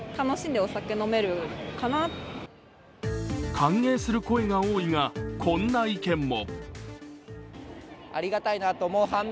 歓迎する声が多いが、こんな意見も。